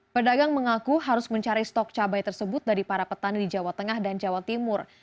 pedagang mengaku harus mencari stok cabai tersebut dari para petani di jawa tengah dan jawa timur